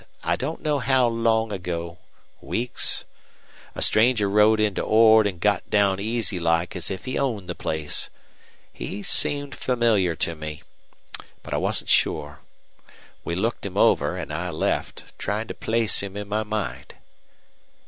I don't know how long ago weeks a stranger rode into Ord an' got down easy like as if he owned the place. He seemed familiar to me. But I wasn't sure. We looked him over, an' I left, tryin' to place him in my mind."